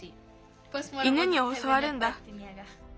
犬におそわるんだ。